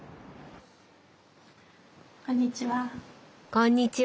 こんにちは。